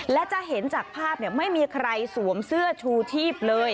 และจะเห็นจากภาพไม่มีใครสวมเสื้อชูชีพเลย